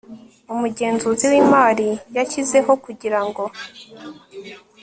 umugenzuzi w imari yashyizeho kugira ngo